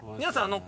皆さん